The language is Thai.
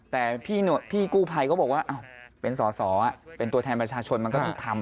แต่พี่กู้ภัยก็บอกว่าเป็นสอสอเป็นตัวแทนประชาชนมันก็ต้องทำ